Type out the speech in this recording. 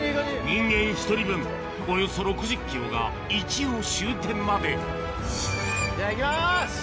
人間１人分およそ６０ｋｇが一応終点までじゃあいきます！